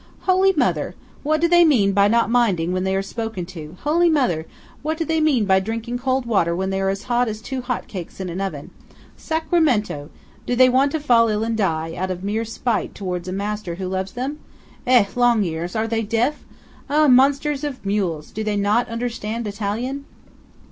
"Holy Mother! What do they mean by not minding when they are spoken to? Holy Mother! What do they mean by drinking cold water when they are as hot as two hot cakes in an oven? Sacramento! Do they want to fall ill and die, out of mere spite towards a master who loves them? Eh, Long ears! Are they deaf? Eh, monsters of mules! do they not understand Italian?"